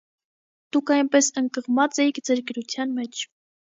Դուք այնպես ընկղմած էիք ձեր գրության մեջ…